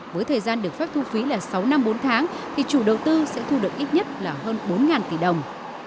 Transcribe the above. với thời gian được phép thu phí là sáu năm bốn tháng thì chủ đầu tư sẽ thu được ít nhất là hơn bốn tỷ đồng